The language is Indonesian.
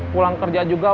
pulang kerja juga